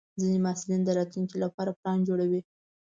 ځینې محصلین د راتلونکي لپاره پلان جوړوي.